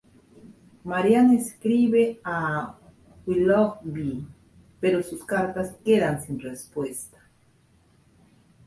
Marianne escribe a Willoughby, pero sus cartas quedan sin respuesta.